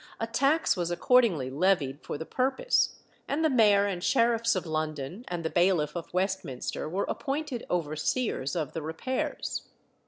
A tax was accordingly levied for the purpose, and the mayor and sheriffs of London and the bailiff of Westminster were appointed overseers of the repairs.